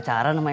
coba ya memang